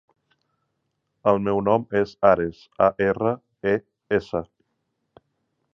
El meu nom és Ares: a, erra, e, essa.